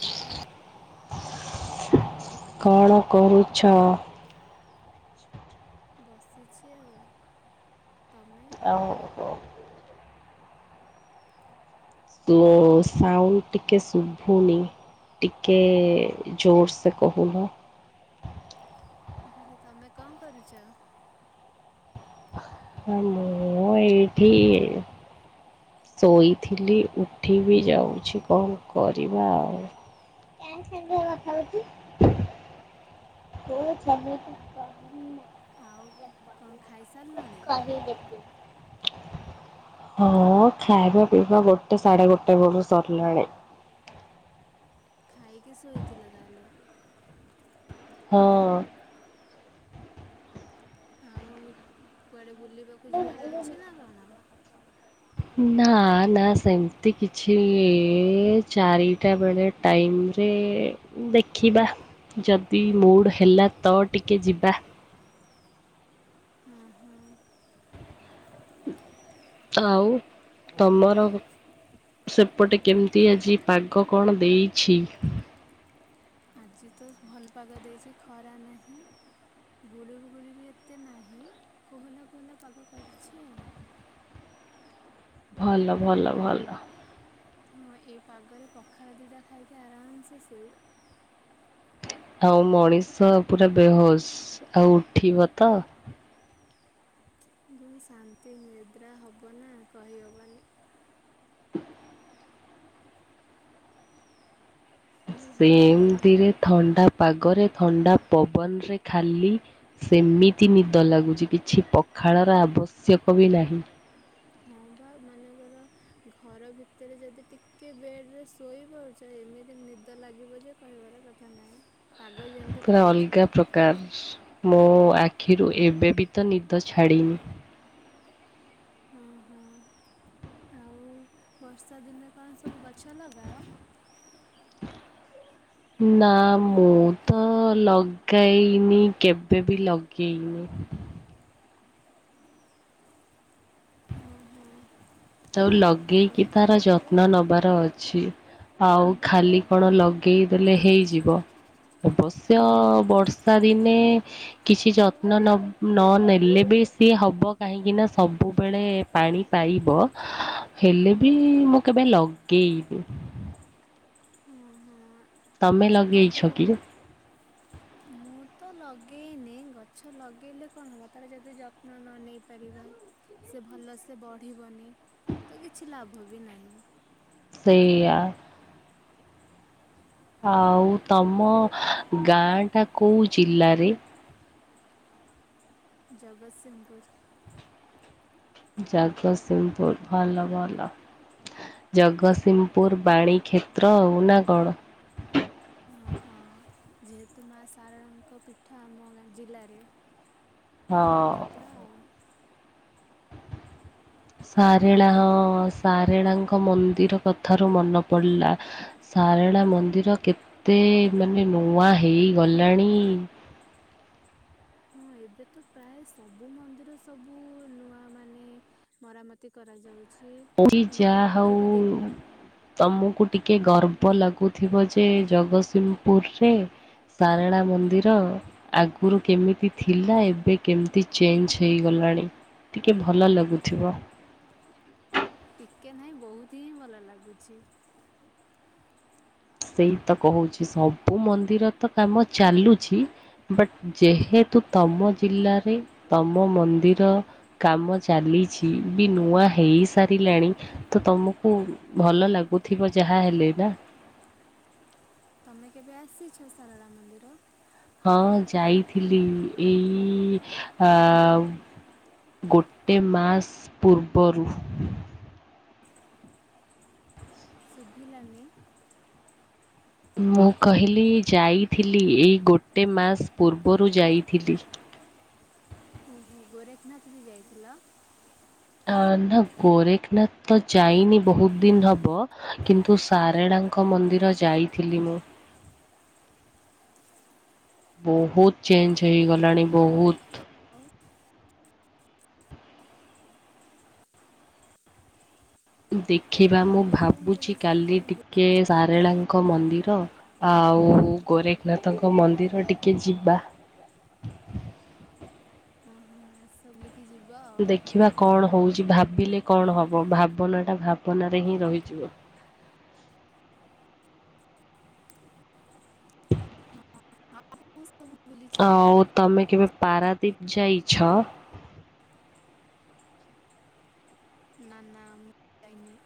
Hello. କଣ କରୁଛ? ବସିଛି ଆଉ, ତମେ? ଆଉ ସାଉଣ୍ଡ ଟିକେ ଶୁଭୁନି। ଟିକେ ଜୋର ସେ କୋହୁନ? ମୁଁ କହିଲି ତମେ କଣ କରୁଚ? ଆ ମୁଁ ଏଇଠି ଶୋଇଥିଲି ଉଠି ବି ଯାଉଚି କଣକରିବା ଆଉ। କାହା ସହ କଥା ହୋଉଚୁ? [unintelligible] ଆଉ କଣ ଖାଇ ସାରିଲାଣି? [unintelligible] ହଁ ଖାଇବା ପିଇବା ଗୋଟେ ସାଢଡେ ଗୋଟେ ବେଳକୁ ସରିଲାଣି। ଖାଇକି ଶୋଇଥିଲା ତାହେଲେ? ହଁ। ଆଉ କୁଆଡେ ବୁଲିବାକୁ ଯିବାର ଅଛି ନା କଣ? ନା ନା ସେମିତି କିଛି ଚାରିଟା ବେଳେ ଟାଇମରେ ଦେଖିବା। ଯଦି ମୁଡ୍ ହେଲା ତ ଟିକେ ଯିବା। ହଁ ହଁ ଆଉ ତମର ସେପଟେ କେମିତି ଆଜି ପାଗ କଣ ଦେଇଚି? ଆଜି ତ ଭଲ ପାଗ ଦେଇଛି ଖରା ନାହିଁ। ଗୁଳୁ ଗୁଳି ବି ଏତେ ନାହିଁ କୋହଲା କୋହଲା ପାଗ କରିଚି ଆଉ। ଭଲ ଭଲ ଭଲ। ହଁ ଏ ପାଗରେ ପଖାଳ ଦୁଇଟା ଖାଇକି ଆରାମସେ ଶୋଇବ। ଆଉ ମଣିଷ ପୁରା ବେହୋସ୍ ଆଉ ଉଠିବ ତ? ଯୋଉ ଶାନ୍ତି ନିଦ୍ରା ହବ ନା କହି ହବନି। ମୁଁ ଭାବିଥିଲି ସେମିତିରେ ଥଣ୍ଡା ପାଗରେ ଥଣ୍ଡା ପବନ ରେ ଖାଲି ସେମିତି ନିଦ ଲାଗୁଚି କିଛି ପଖାଳର ଆବଶ୍ୟକ ବି ନାହିଁ। ହଁ ବା ମାନଙ୍କର ଘର ଭିତରେ ଯଦି ଟିକେ ବେଡ ରେ ଶୋଇବ ଏମିତି ନିଦ ଲାଗିବ ଯେ କହିବାର କଥା କନେ ପୁରା ଅଲଗା ପ୍ରକାର ମୋ ଆଖିରୁ ଏବେ ବି ତ ନିଦ ଛାଡିନି। ଓଁ ହଁ। ଆଉ ବର୍ଷା ଦିନେ କଣ ସବୁ ଗଛ ଲଗାଅ? ନା ମୁଁ ତ ଲଗାଇନି କେବେ ବି ଲଗେଇନି। ହଁ ହଁ। ତାକୁ ଆଉ ଲଗେଇକି ତାର ଯତ୍ନ ନବାର ଅଛି। ଆଉ ଖାଲି କଣ ଲଗେଇଦେଲେ ହେଇଯିବ। ଅବଶ୍ୟ ବର୍ଷା ଦିନେ କିଛି ଯତ୍ନ ନ ନ ନେଲେ ବି ସିଏ ହବ କାହିଁକି ନା ସବୁବେଳେ ପାଣି ପାଇବ ହେଲେ ବି ମୁଁ କେବେ ଲଗେଇନି। ଉ ହୁଁ। ତମେ ଲଗେଇଛ କି? ମୁଁ ତ ଲଗେଇନି ଗଛ ଲଗେଇଲେ କଣ ହବ ତାର ଯଦି ଯତ୍ନ ନ ନେଇ ପାରିବା। ସେ ଭଲସେ ବଢ଼ିବନି ତ କିଛି ଲାଭ ବି ନାହିଁ। ସେଇଆ ଆଉ ତମ ଗାଁ ଟା କୋଉ ଜିଲ୍ଲାରେ? ଜଗତସିଂହପୁର। ଜଗତସିଂହପୁର ଭଲ ଭଲ। ଜଗତସିଂହପୁର ବାଣୀ କ୍ଷେତ୍ର ହେଉ ନା କଣ? ହଁ ହଁ ଯେହେତୁ ମା ସାରଳଙ୍କ ପୀଠ ଆମା ଗା ଜିଲ୍ଲାରେ। ପାଣି ହଁ। କ୍ଷେତ୍ର ଆଉ। ଆଉ ସାରେଳା ତମେ ହଁ ସାରିଳାଙ୍କ ମନ୍ଦିର କଥାରୁ ମନେ ପଡିଲା ସାରଳା ମନ୍ଦିର କେତେ ମାନେ ନୂଆ ହୋଇଗଲାଣି। ହଁ ଏବେ ତ ପ୍ରାୟ ସବୁ ମନ୍ଦିର ସବୁ ନୂଆ ମାନେ ମରାମତି କରାଯାଉଛି ପୁରୀ ନୂଆ ଯାହା ହଉ ରୂପରେ ବି ଦେଖ ତମକୁ ଟିକେ ଗର୍ବ ଲାଗୁଥିବ ଯେ ଜଗତସିଂହପୁରରେ ସାରଳା ମନ୍ଦିର ଆଗରୁ କେମିତି ଥିଲା ଏବେ କେମିତି ଚେଞ୍ଜ ହେଇଗଲାଣି। ଟିକେ ଭଲ ଲାଗୁଥିବ। ଟିକେ ହାଇଁ ବହୁତ ହିଁ ଭଲ ଲାଗୁଚି ସେଇ ତ କହୁଛି ସବୁ ମନ୍ଦିର ତ କାମ ଚାଲୁଚି ବଟ୍ ଯେହେତୁ ତମ ଜିଲ୍ଲାରେ ତମ ମନ୍ଦିର କାମ ଚାଲିଛି ବି ନୂଆ ହେଇ ସାରିଲାଣି ତ ତମକୁ ଭଲ ଲାଗୁଥିବ ଯାହା ହେଲେ ନା। ତମେ କେବେ ଆସିଛ ସାରଳା ମନ୍ଦିର? ହଁ ଯାଇଥିଲି ଏଇ ଆ ଗୋଟେ ମାସ ପୂର୍ବରୁ ଶୁଭିଲାନୀ ମୁଁ କହିଲି ଯାଇଥିଲି ଏଇ ଗୋଟେ ମାସ ପୂର୍ବରୁ ଯାଇଥିଲି। ଓହୋ ଗୋରେଖେନାଥ ବି ଯାଇଥିଲ? ହ ନା ଗୋରେଖେନାଥ ତ ଯାଇନି ବହୁତ ଦିନ ହବ କିନ୍ତୁ ସାରେଳା ଙ୍କ ମନ୍ଦିର ଯାଇଥିଲି ମୁଁ। ବହୁତ ଚେଞ୍ଜ ହୋଇଇଗଲାଣି ବହୁତ ଆଉ ଦେଖିବା ମୁଁ ଆଉ କୋଉ ଜାଗା ଭାବୁଚି ସବୁ କାଲି ତମେ ଟିକେ ବୁଲିଛ? ସାରଳାଙ୍କ ମନ୍ଦିର ଆଉ ଗୋରେଖେନାଥଙ୍କ ମନ୍ଦିର ଟିକେ ଯିବା। ଅ ହ ଆସ ବୁଲିକି ଯିବ ଆଉ। ଦେଖିବା କଣ ହେଉଚି ଭାବିଲେ କଣ ହେବ ଭାବନାଟା ଭାବନାରେ ହିଁ ରହିଯିବ। ଆଉ [unintelligible] ବୁଲିଛ ଆଉ ତମେ କେବେ ପାରାଦଵୀପ ଯାଇଛ? ନା ନା ମୁଁ ଯାଇନି।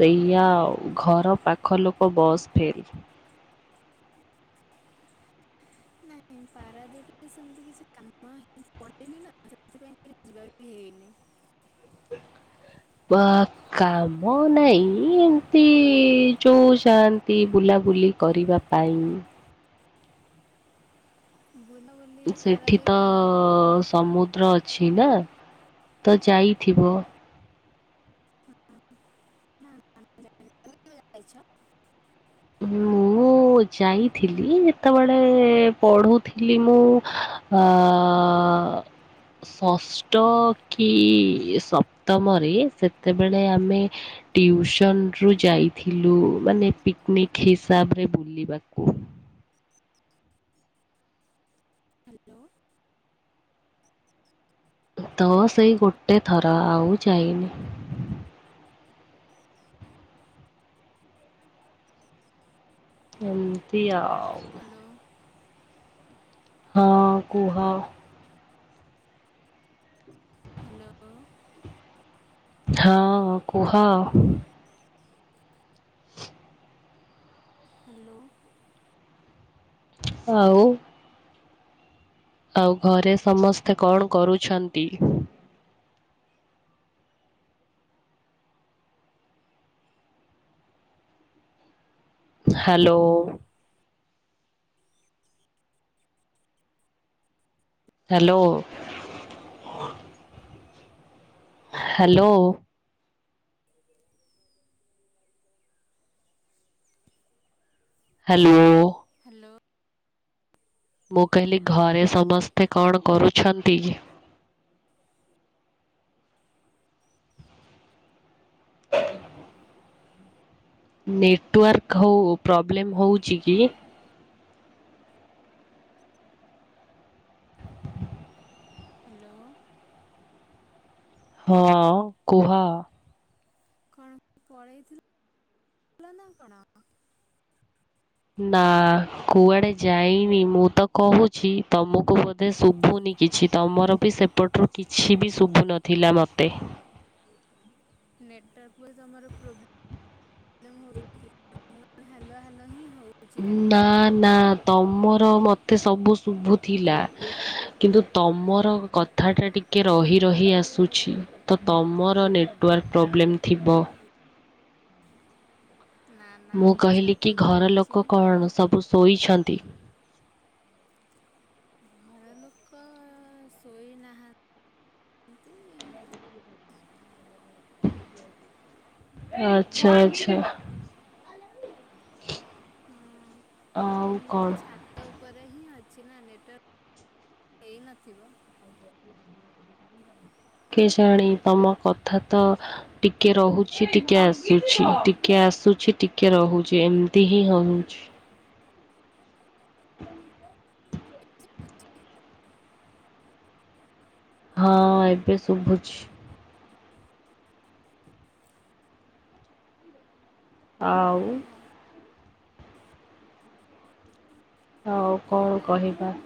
ସେଇଆ ଆଉ ଘର ପାଖ ଲୋକ ବସ୍ ଫେଲ୍‌। ନାଇଁ ପାରାଦ୍ୱୀପ ରେ ସେମତି କିଛି କାମ ପଡନି ନା ସେଥିପାଇଁ ଯିବା ବି ହେଇନି ବାପ କାମ ନାଇଁ ଏମତି ଯୋଉ ଯାଆନ୍ତି ବୁଲାବୁଲି କରିବା ପାଇଁ ବୁଲାବୁଲି ସେଠି ପାରାଦ୍ୱୀପ ତ ଆମ ସମୁଦ୍ର ଅଛି ନା ତ ଯାଇଥିବ [unintelligible] ମୁଁ ଯାଇଥିଲି ଯେତେବେଳେ ପଢୋଉଥିଲି ମୁଁ ଆଁ ଷଷ୍ଠ କି ସପ୍ତମରେ ସେତେବେଳେ ଆମେ ଟିୁସନ ରୁ ଯାଇଥିଲୁ ମାନେ ପିକନିକ ହିସାବରେ ବୁଲିବାକୁ। ହ୍ୟାଲୋ ତ ସେଇ ଗୋଟେ ଥର ଆଉ ଯାଇନି। ଏମିନ୍ତିଆ। ହ୍ୟାଲୋ ହଁ କୁହ। ହ୍ୟାଲୋ ହଁ କୁହ ହ୍ୟାଲୋ ଆଉ। ଆଉ ଘରେ ସମସ୍ତେ କଣ କରୁଛନ୍ତି? Hello hello hello [inaudible] [inaudible] hello hello ମୁଁ କହିଲି ଘରେ ସମସ୍ତେ କଣ କରୁଛନ୍ତି କି? [unintelligible] ନେଟୱାର୍କ ହଉ ପ୍ରୋବ୍ଲେମ୍ ହଉଛି କି? ହ୍ୟାଲୋ ହଁ କୁହ। କଣ ପଳେଇଥିଲୁ ନା କଣ। ନା କୁଆଡେ ଯାଇନି ମୁଁ ତ କହୁଛି। ତୁମକୁ ବୋଧେ ଶୁଭୁନି କିଛି ତୁମର ବି ସେପଟରୁ କିଛି ବି ଶୁଭୁ ନଥିଲା ମୋତେ। ନେଟୱାର୍କ ବି ତମର ପ୍ରବ୍ଲେଲେଉଥିଲା କି। ମୁଁ ହାଲ ହାଲ ହିଁ ହଉ। ନା। ନା ତମର ମତେ ସବୁ ଶୁଭୁ ଥିଲା କିନ୍ତୁ ତମର- କଥାଟା ଟିକିଏ ରହି ରହି ଆସୁଛି ତ ତୁମର ନେଟୱାର୍କ ପ୍ରୋବ୍ଲେମ୍ ଥିବ। ନା ନା ମୁଁ କହିଲି କି ଛାତ ଘର ଉପରେ ଅଛି ଲୋକ ନେଟୱର୍କ। କଣ ସବୁ ଶୋଇଛନ୍ତି? ଘର ଲୋକ ଶୋଇନାହାନ୍ତି। ଏମତି ଏ। ଆଚ୍ଛା ଆଚ୍ଛା। ହଁ ମୁଁ ଆଉ କହିଲି ମୁଁ କଣ? ତ ଛାତ- ଛାତ ଉପରେ ହିଁ ଅଛି ନା ନେଟୱାର୍କ ହେଇନଥିବ। କେଜାଣି ତମ କଥା ତ ଟିକେ- ଟିକେ ରହୁଛି ଟିକେ ଆସୁଛି ଟିକେ ଆସୁଛି ଟିକେ ରହୁଛି ଏମତି ହିଁ ହଉଛି। ହଁ ଏବେ ଶୁଭୁଛି। ଆଉ। କୁହ ହଉ କଣ କହିବା?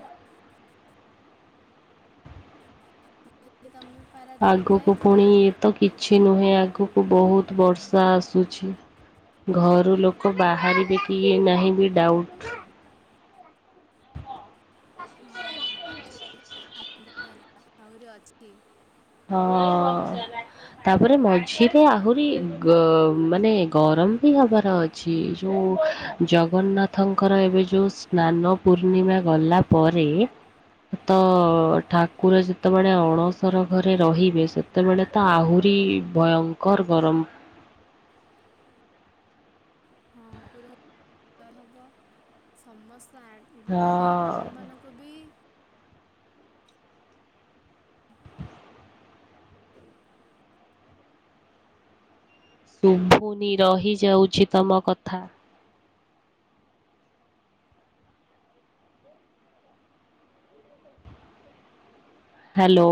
ମୁଁି [unintelligible] ତମେ ପାରାଦ୍ୱୀପ ଆଗକୁ ଯାଇଥିଲ ପୁଣି ଏ ବୁଲିବା ତ ପାଇଁ? କିଛି ନୁହେଁ ଆଗକୁ ବହୁତ ବର୍ଷା ଆସୁଛି। ଘରୁ ଲୋକ ବାହାରିବେ କିଇଏ ନାହିଁ ବି ଡାଉଟ୍। ହଁ ଆରମ୍ଭ ହେଲା ଆହୁରି ଅଛି [unintelligible] ହଁ। ତାପରେ ମଝିରେ ଆହୁରି ମାନେ ଗରମ ବି ହବାର ଅଛି। ଛି ଯେଉଁ ଜଗନ୍ନାଥଙ୍କର ଏବେ ଯେଉଁ ସ୍ନାନ ପୂର୍ଣ୍ଣିମା ଗଲା ପରେ- ତ ଠାକୁର ଯେତେବେଳେ ହଁ ଅଣସର- କହିବେ ସେତେବେଳେ ତ ଆହୁରି ଭୟଙ୍କର ଗରମ। ହଁ [unintelligible] ହବ ସମସ୍ତ ମାନେ ହଁ ଆମମାନକୁ କୋବି [inaudible] ଶୁଭୁନି ରହିଯାଉଛି ତମ କଥା। ହ୍ୟାଲୋ।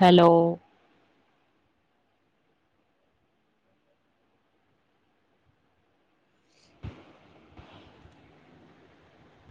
ହ୍ୟାଲୋ।